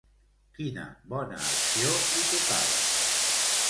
Quina bona acció li tocava?